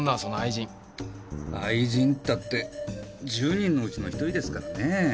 愛人ったって１０人のうちの１人ですからね。